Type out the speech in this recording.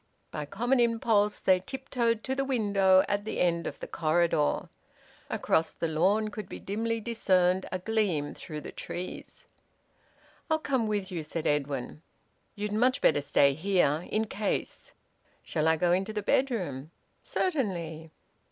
By a common impulse they tiptoed to the window at the end of the corridor. Across the lawn could be dimly discerned a gleam through the trees. "I'll come with you," said Edwin. "You'd much better stay here in case." "Shall I go into the bedroom?" "Certainly."